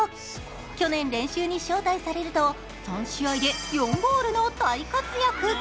去年、練習に招待されると３試合で４ゴールの大活躍。